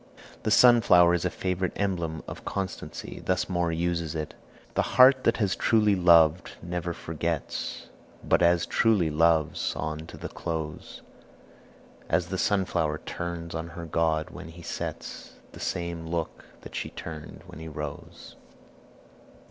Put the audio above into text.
The sunflower is a favorite emblem of constancy. Thus Moore uses it: "The heart that has truly loved never forgets, But as truly loves on to the close; As the sunflower turns on her god when he sets The same look that she turned when he rose."